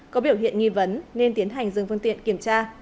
có biểu hiện nghi vấn nên tiến hành dừng phương tiện kiểm tra